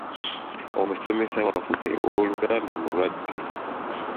Omusomesa waffe ow’Oluganda mulwadde.